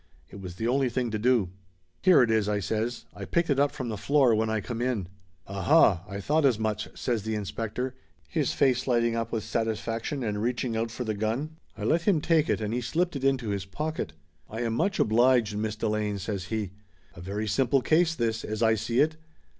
It was the only thing to do. "Here it is !" I says. "I picked it up from the floor when I come in." "Aha ! I thought as much !" says the inspector, his face lighting up with satisfaction, and reaching out for the gun. I let him take it and he slipped it into his pocket. "I am much obliged, Miss Delane," says he. "A very simple case, this, as I see it.